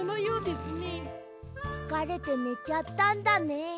つかれてねちゃったんだね。